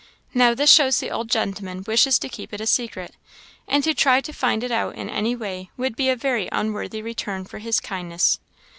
Now this shows the old gentleman wishes to keep it secret, and to try to find it out in any way would be a very unworthy return for his kindness."